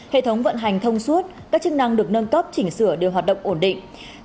hệ thống vận hành thông suốt các chức năng được nâng cấp chỉnh sửa đều hoạt động ổn định